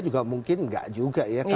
juga mungkin nggak juga ya